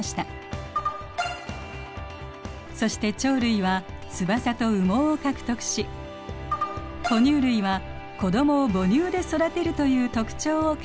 そして鳥類は翼と羽毛を獲得し哺乳類は子どもを母乳で育てるという特徴を獲得しました。